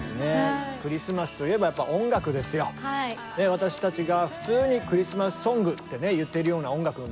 私たちが普通にクリスマスソングってね言っているような音楽でもですね